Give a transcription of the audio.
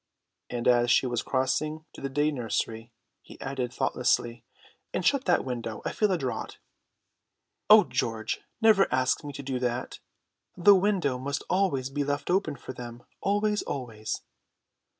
and as she was crossing to the day nursery he added thoughtlessly, "And shut that window. I feel a draught." "O George, never ask me to do that. The window must always be left open for them, always, always."